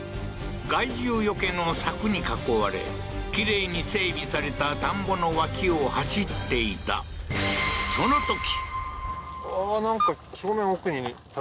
害獣よけの柵に囲われきれいに整備された田んぼの脇を走っていた、その時！